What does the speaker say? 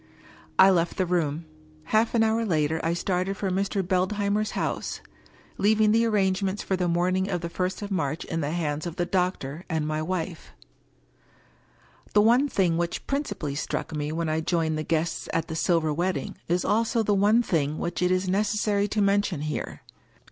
I left the room. Half an hour later I started for Mr, Beldheimer's house; leaving the arrangements for the morning of the first of March in the hands of the doctor and my wife, XVI The one thing which principally struck me when I joined the guests at the " Silver Wedding " is also the one thing which it is necessary to mention here.